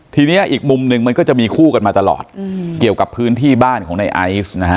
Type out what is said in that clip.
ทีนี้อีกมุมหนึ่งมันก็จะมีคู่กันมาตลอดเกี่ยวกับพื้นที่บ้านของในไอซ์นะฮะ